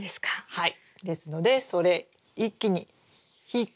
はい。